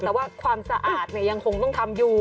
แต่ว่าความสะอาดยังคงต้องทำอยู่